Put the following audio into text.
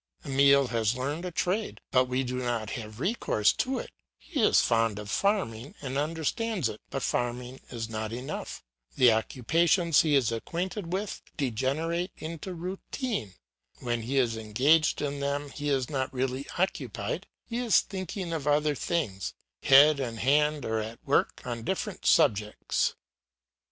Emile has learned a trade, but we do not have recourse to it; he is fond of farming and understands it, but farming is not enough; the occupations he is acquainted with degenerate into routine; when he is engaged in them he is not really occupied; he is thinking of other things; head and hand are at work on different subjects.